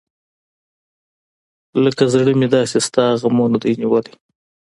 لکه زړه مې داسې ستا غمونه دى نیولي .